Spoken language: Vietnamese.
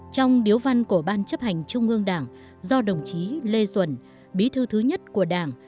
trong điếu văn của ban chấp hành trung ương đảng do đồng chí lê duẩn bí thư thứ nhất của đảng